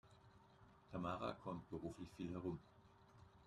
Tamara kommt beruflich viel herum.